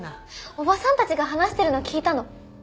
おばさんたちが話してるの聞いたの。